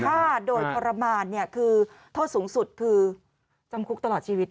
ฆ่าโดยทรมานเนี่ยคือโทษสูงสุดคือจำคุกตลอดชีวิต